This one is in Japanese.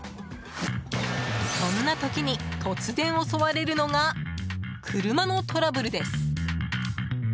そんな時に突然、襲われるのが車のトラブルです。